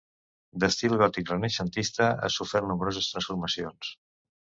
D'estil gòtic-renaixentista, ha sofert nombroses transformacions.